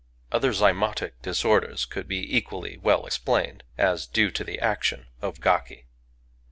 Other zymotic disorders could be equally well explained as due to the action of gaki.